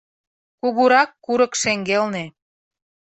Кугурак курык шеҥгелне.